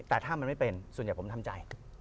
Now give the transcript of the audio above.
แต่ถ้ามันไม่เป็นส่วนใหญ่ผมทำใจ